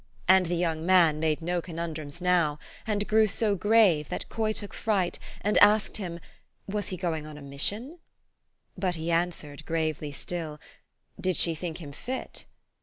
And the young man made no conundrums now, and grew so grave, that Coy took fright, and asked him, Was he going on a mission? But he answered, gravely still, Did she think him fit?